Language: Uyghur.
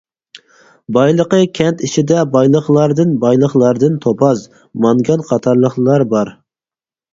بايلىقى كەنت ئىچىدە بايلىقلاردىن بايلىقلاردىن توپاز، مانگان قاتارلىقلار بار.